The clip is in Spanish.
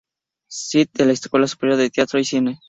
Site de la Escuela Superior de Teatro y Cine